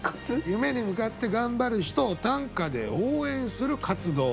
夢に向かって頑張る人を短歌で応援する活動。